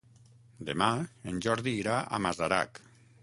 Demà en Jordi irà a Masarac.